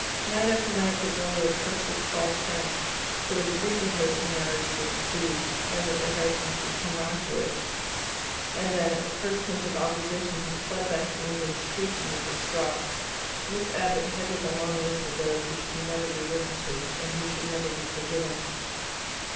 Night after night did Lilia curse this false friend, who had agreed with her that the marriage would "do," and that the Herritons would come round to it, and then, at the first hint of opposition, had fled back to England shrieking and distraught. Miss Abbott headed the long list of those who should never be written to, and who should never be forgiven.